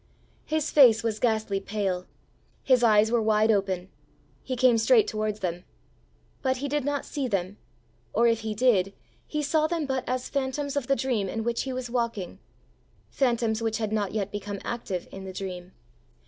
His face was ghastly pale; his eyes were wide open; he came straight towards them. But he did not see them; or if he did, he saw them but as phantoms of the dream in which he was walking phantoms which had not yet become active in the dream.